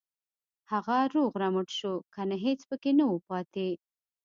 هغه روغ رمټ شو کنه هېڅ پکې نه وو پاتې.